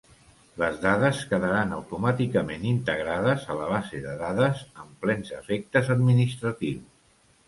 Les dades quedaran automàticament integrades a la base de dades amb plens efectes administratius.